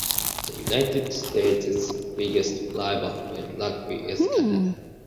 The United States' biggest rival in rugby is Canada.